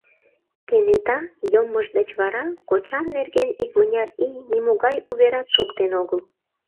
Кенета йоммыж деч вара кочам нерген икмыняр ий нимогай уверат шоктен огыл.